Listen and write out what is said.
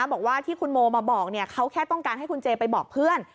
บอกว่าที่คุณโมมาบอกเขาแค่ต้องการให้คุณเจไปบอกเพื่อน